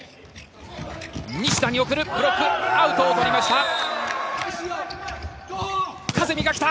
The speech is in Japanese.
西田に送る、ブロック、アウトを取りました。